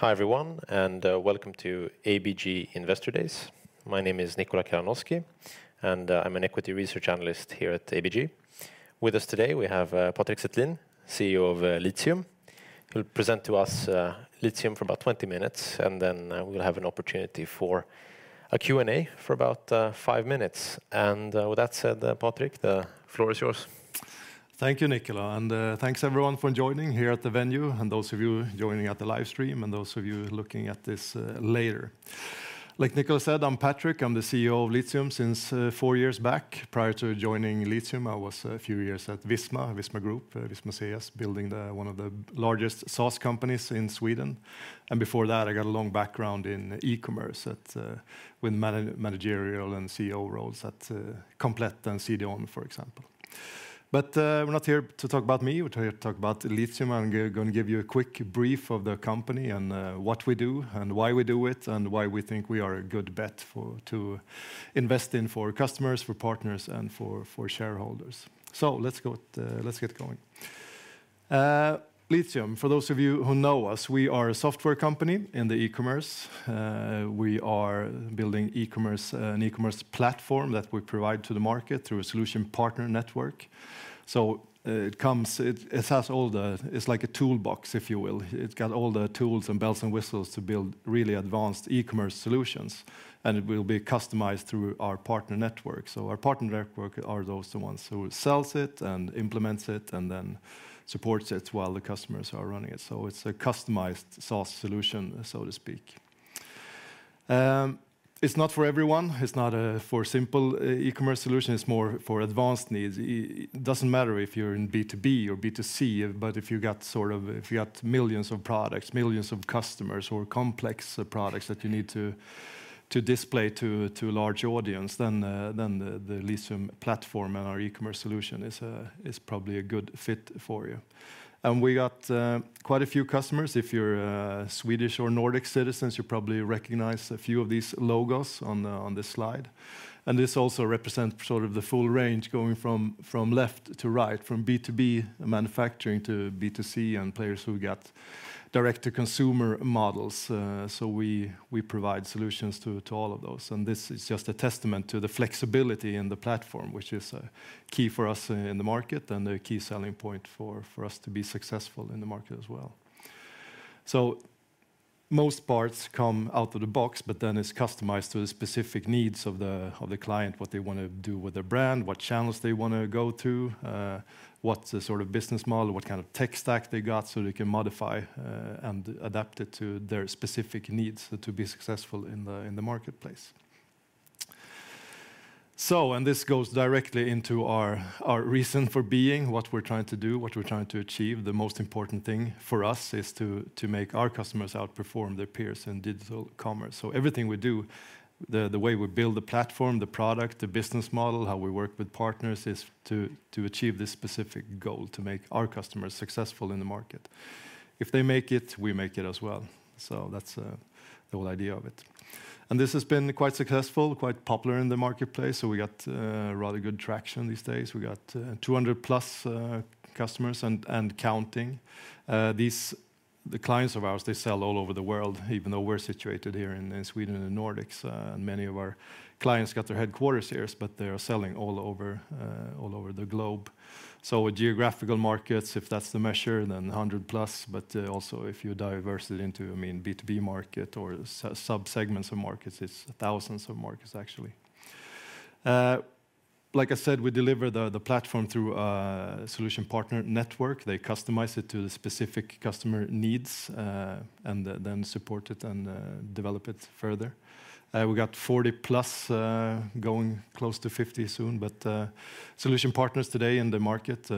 Hi, everyone, and welcome to ABG Investor Days. My name is Nikola Kalanoski, and I'm an equity research analyst here at ABG. With us today, we have Patrik Settlin, CEO of Litium. He'll present to us Litium for about 20 minutes, and then we'll have an opportunity for a Q&A for about five minutes. With that said, Patrik, the floor is yours. Thank you, Nikola, and, thanks, everyone, for joining here at the venue, and those of you joining at the live stream, and those of you looking at this, later. Like Nikola said, I'm Patrik. I'm the CEO of Litium since four years back. Prior to joining Litium, I was a few years at Visma, Visma Group, Visma SaaS, building the one of the largest SaaS companies in Sweden. And before that, I got a long background in e-commerce at, with managerial and CEO roles at, Komplett and CDON, for example. But, we're not here to talk about me. We're here to talk about Litium. I'm gonna give you a quick brief of the company, and what we do, and why we do it, and why we think we are a good bet for to invest in for customers, for partners, and for, for shareholders. So let's go, let's get going. Litium, for those of you who know us, we are a software company in the e-commerce. We are building e-commerce, an e-commerce platform that we provide to the market through a solution partner network. It, it has all the... It's like a toolbox, if you will. It's got all the tools and bells and whistles to build really advanced e-commerce solutions, and it will be customized through our partner network. So our partner network are those, the ones who sells it, and implements it, and then supports it while the customers are running it, so it's a customized SaaS solution, so to speak. It's not for everyone. It's not for simple e-commerce solution. It's more for advanced needs. It doesn't matter if you're in B2B or B2C, but if you've got sort of—if you've got millions of products, millions of customers or complex products that you need to display to a large audience, then the Litium platform and our e-commerce solution is probably a good fit for you. And we got quite a few customers. If you're Swedish or Nordic citizens, you probably recognize a few of these logos on this slide. This also represent sort of the full range, going from left to right, from B2B manufacturing to B2C, and players who've got direct-to-consumer models. So we provide solutions to all of those, and this is just a testament to the flexibility in the platform, which is a key for us in the market and a key selling point for us to be successful in the market as well. So most parts come out of the box, but then it's customized to the specific needs of the client, what they want to do with their brand, what channels they wanna go to, what sort of business model, what kind of tech stack they got, so they can modify and adapt it to their specific needs to be successful in the marketplace. So this goes directly into our reason for being, what we're trying to do, what we're trying to achieve. The most important thing for us is to make our customers outperform their peers in digital commerce. So everything we do, the way we build the platform, the product, the business model, how we work with partners, is to achieve this specific goal, to make our customers successful in the market. If they make it, we make it as well, so that's the whole idea of it. And this has been quite successful, quite popular in the marketplace, so we got rather good traction these days. We got 200+ customers, and counting. These, the clients of ours, they sell all over the world, even though we're situated here in Sweden and the Nordics. And many of our clients got their headquarters here, but they are selling all over, all over the globe. So geographical markets, if that's the measure, then 100+, but also, if you diverse it into, I mean, B2B market or sub-segments of markets, it's thousands of markets, actually. Like I said, we deliver the platform through solution partner network. They customize it to the specific customer needs, and then support it and develop it further. We got 40+, going close to 50 soon, solution partners today in the market,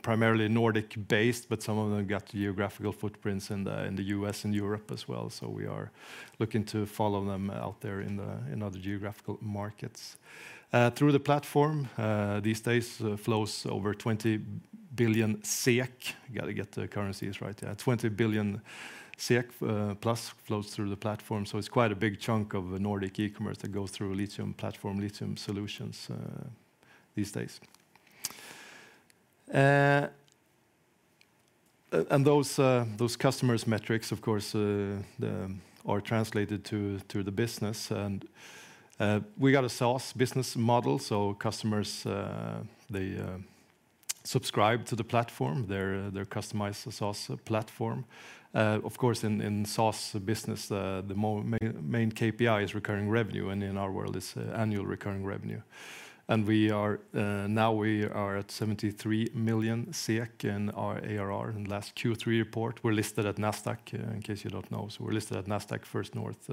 primarily Nordic-based, but some of them got geographical footprints in the U.S. and Europe as well, so we are looking to follow them out there in other geographical markets. Through the platform these days flows over 20 billion SEK. Gotta get the currencies right. 20 billion SEK plus flows through the platform, so it's quite a big chunk of Nordic e-commerce that goes through Litium platform, Litium solutions these days. And those customers' metrics, of course, them are translated to the business, and we got a SaaS business model, so customers they subscribe to the platform, their customized SaaS platform. Of course, in SaaS business, the main KPI is recurring revenue, and in our world, it's annual recurring revenue. And we are now we are at 73 million in our ARR in last Q3 report. We're listed at Nasdaq, in case you don't know, so we're listed at Nasdaq First North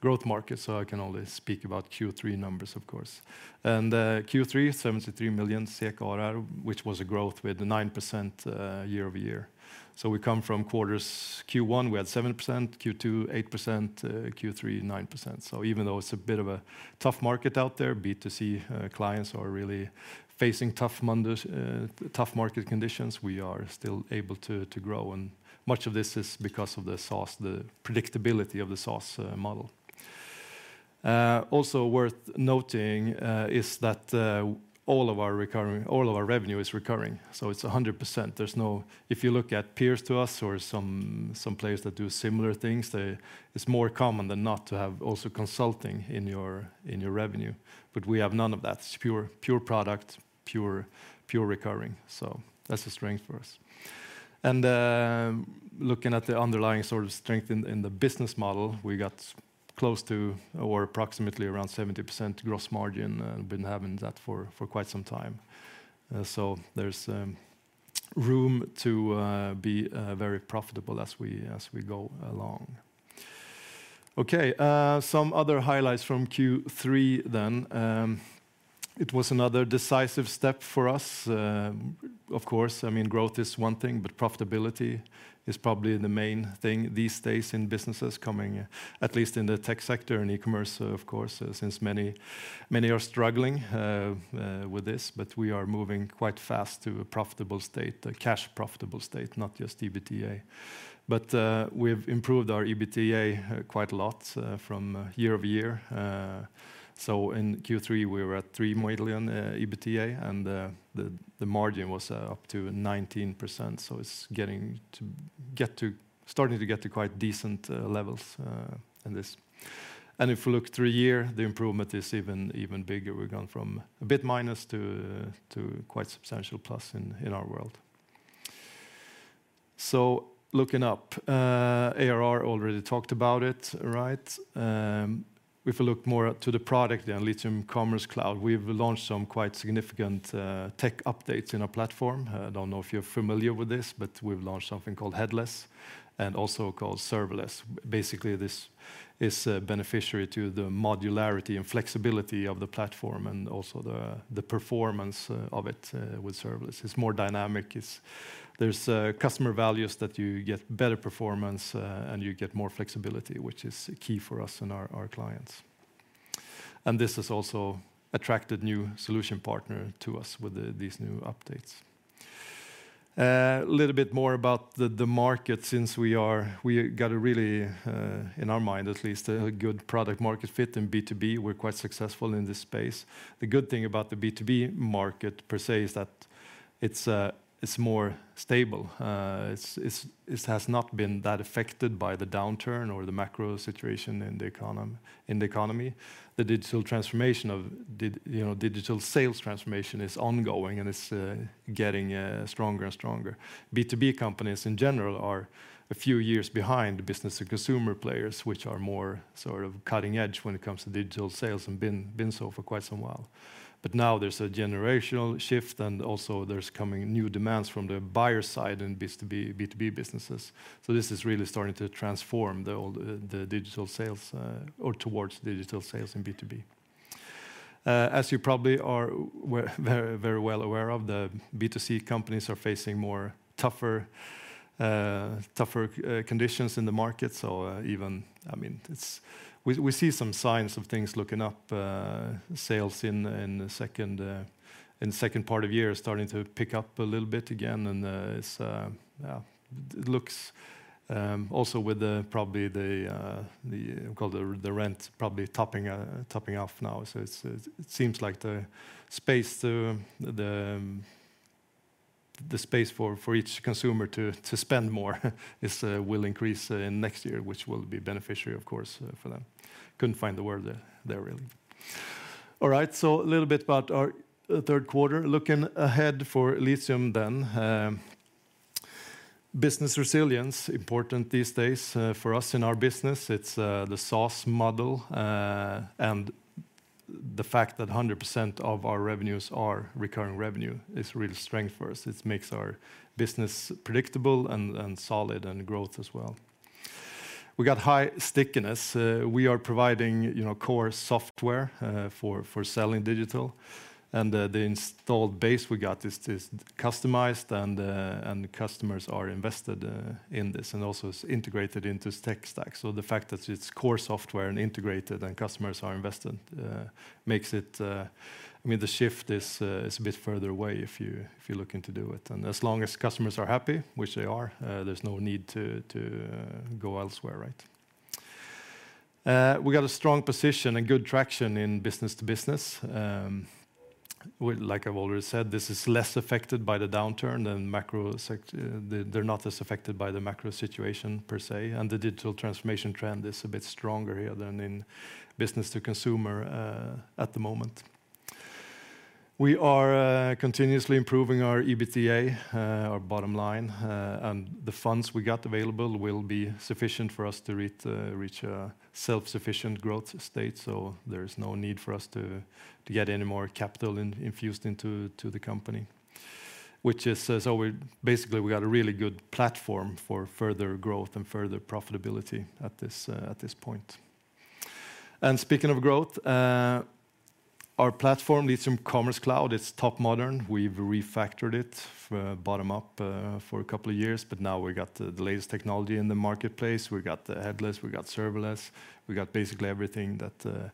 Growth Market, so I can only speak about Q3 numbers, of course. Q3, 73 million SEK ARR, which was a growth with 9% year-over-year. So we come from quarters, Q1, we had 7%, Q2, 8%, Q3, 9%. So even though it's a bit of a tough market out there, B2C clients are really facing tough market conditions, we are still able to grow, and much of this is because of the SaaS, the predictability of the SaaS model. Also worth noting is that all of our revenue is recurring, so it's 100%. There's no—if you look at peers to us or some players that do similar things, they, it's more common than not to have also consulting in your revenue. But we have none of that. It's pure, pure product, pure, pure recurring, so that's a strength for us. And looking at the underlying sort of strength in the business model, we got close to or approximately around 70% gross margin, and been having that for quite some time. So there's room to be very profitable as we go along. Okay, some other highlights from Q3 then. It was another decisive step for us. Of course, I mean, growth is one thing, but profitability is probably the main thing these days in businesses coming, at least in the tech sector and e-commerce, of course, since many, many are struggling with this, but we are moving quite fast to a profitable state, a cash profitable state, not just EBITDA. But we've improved our EBITDA quite a lot from year-over-year. So in Q3, we were at 3 million EBITDA, and the margin was up to 19%, so it's starting to get to quite decent levels in this. And if we look through year, the improvement is even bigger. We've gone from a bit minus to quite substantial plus in our world. So looking up ARR already talked about it, right? If we look more to the product, the Litium Commerce Cloud, we've launched some quite significant tech updates in our platform. I don't know if you're familiar with this, but we've launched something called Headless and also called Serverless. Basically, this is beneficial to the modularity and flexibility of the platform, and also the performance of it with Serverless. It's more dynamic. There's customer values that you get better performance and you get more flexibility, which is key for us and our clients. And this has also attracted new solution partner to us with these new updates. A little bit more about the market, since we got a really, in our mind at least, a good product market fit in B2B. We're quite successful in this space. The good thing about the B2B market per se is that it's, it's more stable. It's, it has not been that affected by the downturn or the macro situation in the econom- in the economy. The digital transformation of, you know, digital sales transformation is ongoing, and it's getting stronger and stronger. B2B companies in general are a few years behind business and consumer players, which are more sort of cutting-edge when it comes to digital sales and been so for quite some while. But now there's a generational shift, and also there's coming new demands from the buyer side in B2B businesses. So this is really starting to transform the digital sales or towards digital sales in B2B. As you probably are, we're very, very well aware of, the B2C companies are facing more tougher, tougher, conditions in the market. So, even, I mean, it's... We, we see some signs of things looking up. Sales in, in the second, in the second part of year are starting to pick up a little bit again, and, it's, it looks, also with the probably the, the, call it the, the rent, probably topping, topping off now. So it's, it seems like the space to, the, the space for, for each consumer to, to spend more, is, will increase, in next year, which will be beneficiary, of course, for them. Couldn't find the word there, really. All right, so a little bit about our, Q3. Looking ahead for Litium, business resilience, important these days, for us in our business. It's the SaaS model, and the fact that 100% of our revenues are recurring revenue is a real strength for us. It makes our business predictable and solid, and growth as well. We got high stickiness. We are providing, you know, core software for selling digital, and the installed base we got is customized, and the customers are invested in this, and also it's integrated into stack. So the fact that it's core software and integrated and customers are invested makes it, I mean, the shift is a bit further away if you, if you're looking to do it. And as long as customers are happy, which they are, there's no need to go elsewhere, right? We got a strong position and good traction in business to business. Well, like I've already said, this is less affected by the downturn than the macro sector. They're not as affected by the macro situation per se, and the digital transformation trend is a bit stronger here than in business to consumer at the moment. We are continuously improving our EBITDA, our bottom line, and the funds we got available will be sufficient for us to reach a self-sufficient growth state. So there's no need for us to get any more capital infused into the company. Which is, so we're basically, we got a really good platform for further growth and further profitability at this, at this point. And speaking of growth, our platform, Litium Commerce Cloud, it's top modern. We've refactored it from bottom up, for a couple of years, but now we got the, the latest technology in the marketplace. We got the Headless, we got Serverless, we got basically everything that,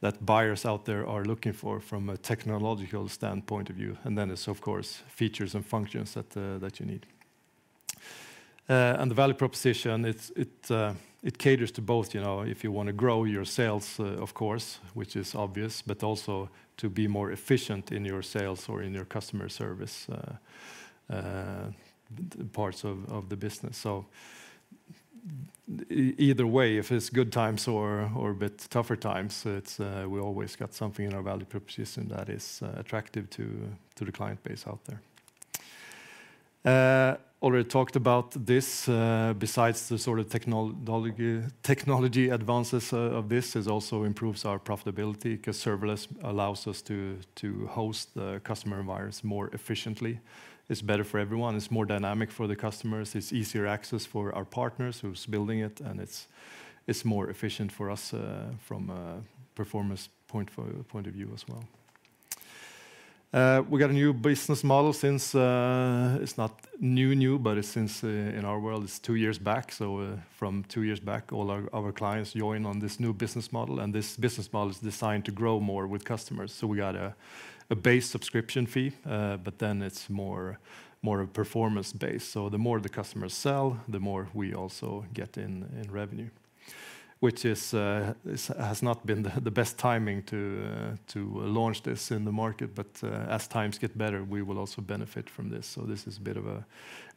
that buyers out there are looking for from a technological standpoint of view, and then it's of course, features and functions that, that you need. And the value proposition, it's, it, it caters to both, you know, if you want to grow your sales, of course, which is obvious, but also to be more efficient in your sales or in your customer service, parts of, of the business. So either way, if it's good times or a bit tougher times, it's we always got something in our value proposition that is attractive to the client base out there. Already talked about this, besides the sort of technology advances of this, it also improves our profitability, 'cause serverless allows us to host the customer environments more efficiently. It's better for everyone. It's more dynamic for the customers, it's easier access for our partners who's building it, and it's more efficient for us from a performance point of view as well. We got a new business model since. It's not new, but since in our world, it's two years back. So, from 2 years back, all our clients join on this new business model, and this business model is designed to grow more with customers. So we got a base subscription fee, but then it's more of performance-based. So the more the customers sell, the more we also get in revenue, which has not been the best timing to launch this in the market, but as times get better, we will also benefit from this. So this is a bit of a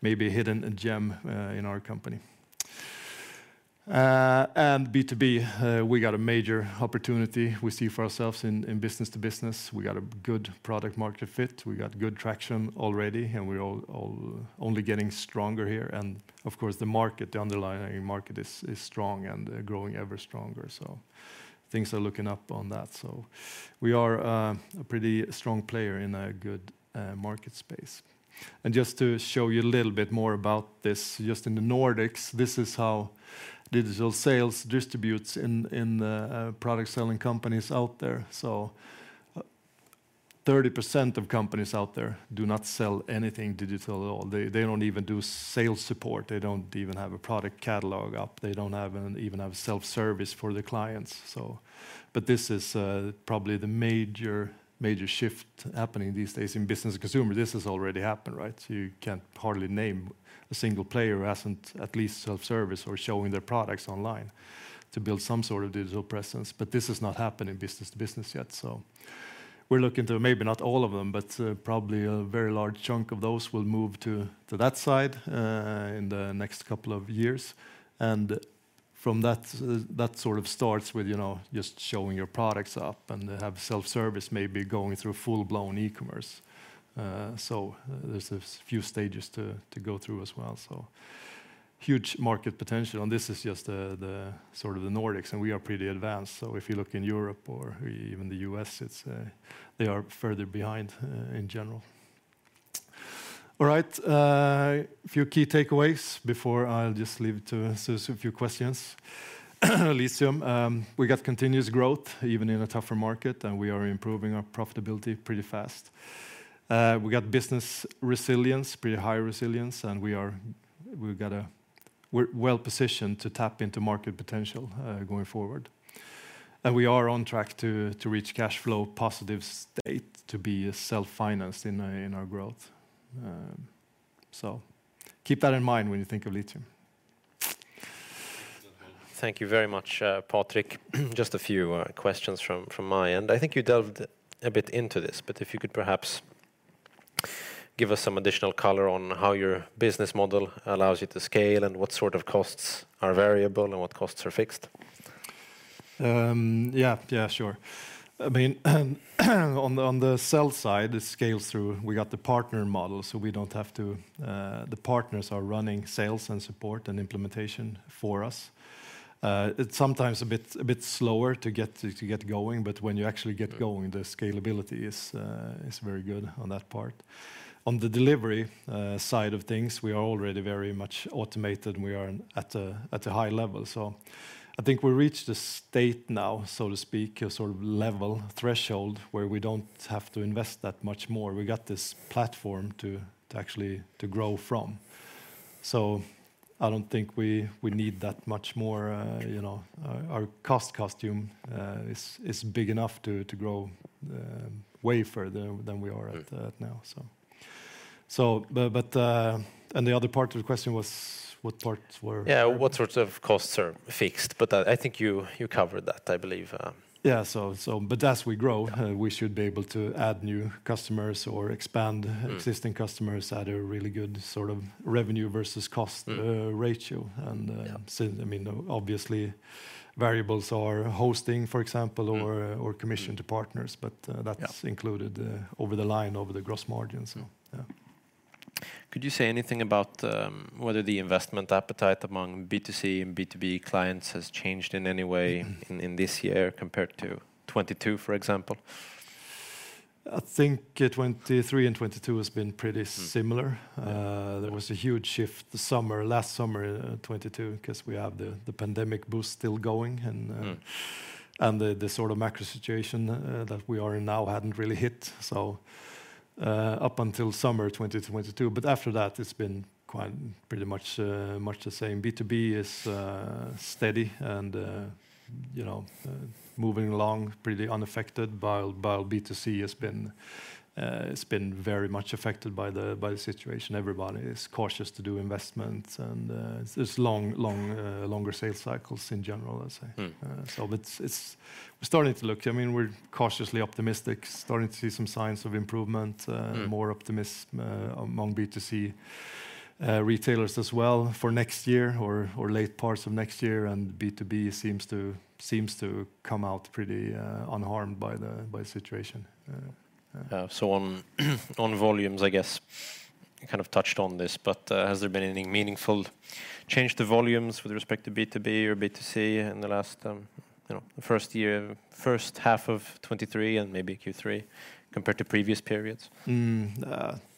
maybe a hidden gem in our company. And B2B, we got a major opportunity we see for ourselves in business to business. We got a good product-market fit, we got good traction already, and we're only getting stronger here. Of course, the market, the underlying market is strong and growing ever stronger, so things are looking up on that. So we are a pretty strong player in a good market space. And just to show you a little bit more about this, just in the Nordics, this is how digital sales distributes in the product-selling companies out there. So, 30% of companies out there do not sell anything digital at all. They don't even do sales support. They don't even have a product catalog up. They don't even have self-service for the clients, so... But this is probably the major shift happening these days. In business-to-consumer, this has already happened, right? You can't hardly name a single player who hasn't at least self-service or showing their products online to build some sort of digital presence, but this has not happened in business to business yet. So we're looking to maybe not all of them, but probably a very large chunk of those will move to that side in the next couple of years. And from that, that sort of starts with, you know, just showing your products up and have self-service, maybe going through full-blown e-commerce. So there's a few stages to go through as well. So huge market potential, and this is just the sort of the Nordics, and we are pretty advanced. So if you look in Europe or even the U.S., it's they are further behind in general. All right, a few key takeaways before I'll just leave it to answer a few questions. Litium, we got continuous growth, even in a tougher market, and we are improving our profitability pretty fast. We got business resilience, pretty high resilience, and we've got. We're well positioned to tap into market potential, going forward. We are on track to reach cash flow positive state, to be self-financed in our growth. So keep that in mind when you think of Litium. Thank you very much, Patrik. Just a few questions from my end. I think you delved a bit into this, but if you could perhaps give us some additional color on how your business model allows you to scale, and what sort of costs are variable and what costs are fixed. Yeah. Yeah, sure. I mean, on the sell side, it scales through... We got the partner model, so we don't have to... The partners are running sales and support and implementation for us. It's sometimes a bit slower to get going, but when you actually get going, the scalability is very good on that part. On the delivery side of things, we are already very much automated, and we are at a high level. So I think we reached a state now, so to speak, a sort of level threshold, where we don't have to invest that much more. We got this platform to actually grow from. So I don't think we need that much more, you know, our cost structure is big enough to grow way further than we are at now, so. But the other part of the question was, what parts were- Yeah, what sorts of costs are fixed? But, I think you covered that, I believe. Yeah, so, but as we grow- Uh. We should be able to add new customers or expand. Mm... existing customers at a really good sort of revenue versus cost- Mm... ratio. Yeah. So I mean, obviously, variables are hosting, for example- Mm... or commission to partners, but, Yeah... that's included over the line, over the gross margin, so yeah. Could you say anything about whether the investment appetite among B2C and B2B clients has changed in any way in this year compared to 2022, for example? I think 2023 and 2022 has been pretty similar. Mm. Yeah. There was a huge shift this summer, last summer, 2022, 'cause we have the pandemic boost still going, and Mm... and the, the sort of macro situation that we are in now hadn't really hit. Up until summer 2022, but after that, it's been quite, pretty much, much the same. B2B is steady, and, you know, moving along pretty unaffected, while, while B2C has been, it's been very much affected by the, by the situation. Everybody is cautious to do investments, and, it's long, long, longer sales cycles in general, I'd say. Mm. So it's, it's starting to look... I mean, we're cautiously optimistic, starting to see some signs of improvement. Mm... more optimism among B2C retailers as well for next year or late parts of next year, and B2B seems to come out pretty unharmed by the situation. So on volumes, I guess you kind of touched on this, but has there been anything meaningful change to volumes with respect to B2B or B2C in the last, you know, H1 of 2023, and maybe Q3, compared to previous periods?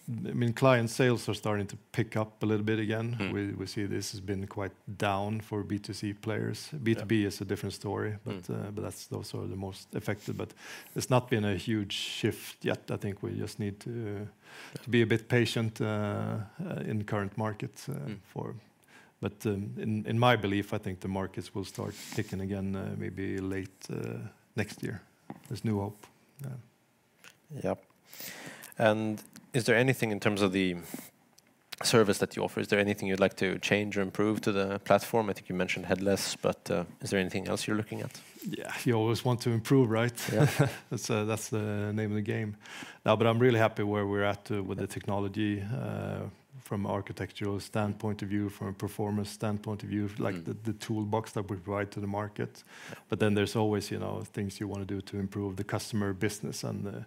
I mean, client sales are starting to pick up a little bit again. Mm. We see this has been quite down for B2C players. Yeah. B2B is a different story- Mm... but, but that's, those are the most affected, but it's not been a huge shift yet. I think we just need to- Yeah... be a bit patient, in the current market- Mm... in my belief, I think the markets will start ticking again, maybe late next year. There's new hope. Yep. Is there anything in terms of the service that you offer, is there anything you'd like to change or improve to the platform? I think you mentioned headless, but, is there anything else you're looking at? Yeah. You always want to improve, right? Yeah. That's, that's the name of the game. No, but I'm really happy where we're at, with the technology, from an architectural standpoint of view, from a performance standpoint of view- Mm... like the toolbox that we provide to the market. But then there's always, you know, things you want to do to improve the customer business, and Mm...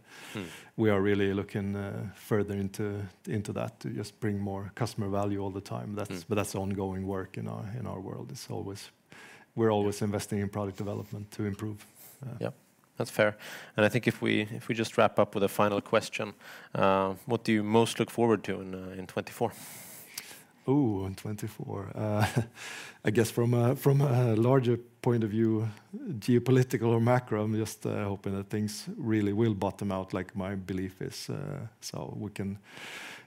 we are really looking further into that, to just bring more customer value all the time. Mm. That's but that's ongoing work in our, in our world. It's always... We're always investing in product development to improve. Yep, that's fair. And I think if we just wrap up with a final question, what do you most look forward to in 2024? Ooh, in 2024? I guess from a larger point of view, geopolitical or macro, I'm just hoping that things really will bottom out, like my belief is, so we can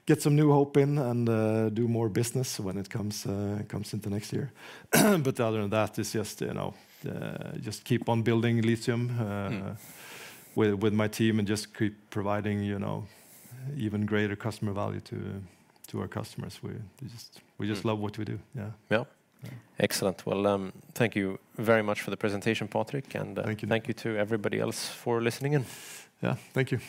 get some new hope in and do more business when it comes into next year. But other than that, it's just, you know, just keep on building Litium- Mm... with my team and just keep providing, you know, even greater customer value to our customers. We just love what we do. Yeah. Yep. Excellent. Well, thank you very much for the presentation, Patrik, and- Thank you... thank you to everybody else for listening in. Yeah. Thank you.